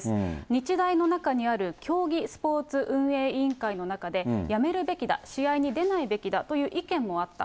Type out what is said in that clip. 日大の中にある競技スポーツ運営委員会の中で、やめるべきだ、試合に出ないべきだという意見もあった。